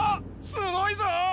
すごいぞ！